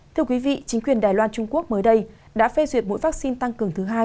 thưa quý vị chính quyền đài loan trung quốc mới đây đã phê duyệt mỗi vaccine tăng cường thứ hai